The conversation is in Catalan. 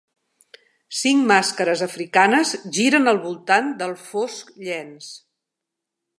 Cinc màscares africanes giren al voltant del fosc llenç.